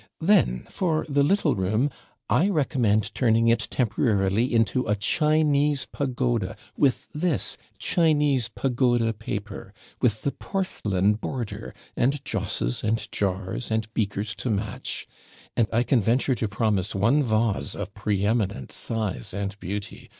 'Then, for the little room, I recommend turning it temporarily into a Chinese pagoda, with this CHINESE PAGODA PAPER, with the PORCELAIN border, and josses, and jars, and beakers to match; and I can venture to promise one vase of pre eminent size and beauty.